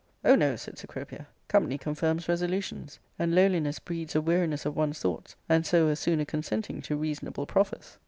" Oh, no," said Cecropia, " company I confirms resolutions, and loneliness breeds a weariness of ( one's thoughts, and so a sooner consenting to reasonable /groffers."